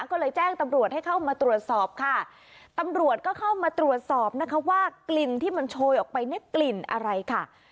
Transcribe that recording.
ก็เลยแจ้งตำรวจให้เข้ามาตรวจสอบค่ะตำรวจก็เข้ามาตรวจสอบนะคะว่ากลิ่นที่มันโชยออกไปเนี่ยกลิ่นอะไรค่ะ